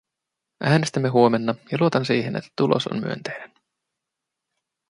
Äänestämme huomenna, ja luotan siihen, että tulos on myönteinen.